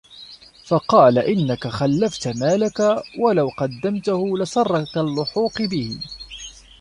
فَقَالَ إنَّك خَلَّفْتَ مَالَك وَلَوْ قَدَّمْتَهُ لَسَرَّك اللُّحُوقِ بِهِ